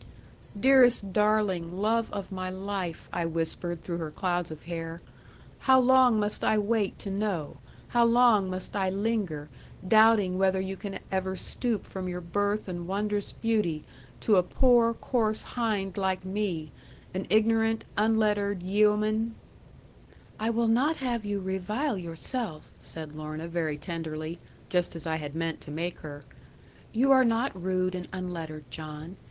'Dearest darling, love of my life,' I whispered through her clouds of hair; 'how long must I wait to know, how long must I linger doubting whether you can ever stoop from your birth and wondrous beauty to a poor, coarse hind like me, an ignorant unlettered yeoman ' 'I will not have you revile yourself,' said Lorna, very tenderly just as I had meant to make her. 'You are not rude and unlettered, John.